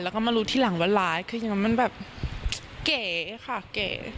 แล้วก็มารู้ทีหลังว่าร้ายคืออย่างนั้นมันแบบเก๋ค่ะเก๋